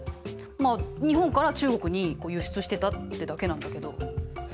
まあ日本から中国に輸出してたってだけなんだけど。え？